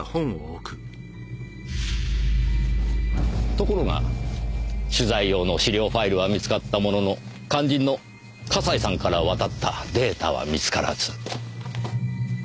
ところが取材用の資料ファイルは見つかったものの肝心の笠井さんから渡ったデータは見つからず。